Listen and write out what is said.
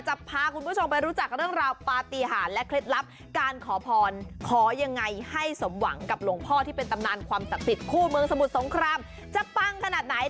จะพาคุณผู้ชมไปรู้จักเรื่องราวปฏิหารและเคล็ดลับการขอพรขอยังไงให้สมหวังกับหลวงพ่อที่เป็นตำนานความศักดิ์สิทธิ์คู่เมืองสมุทรสงครามจะปังขนาดไหน